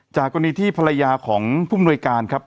จากกรณีที่ภรรยาของผู้มนวยการครับ